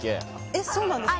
えっそうなんですか？